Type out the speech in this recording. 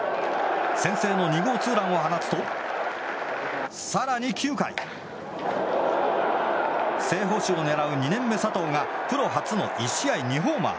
先制の２号ツーランを放つと更に９回正捕手を狙う２年目佐藤がプロ初の１試合２ホーマー。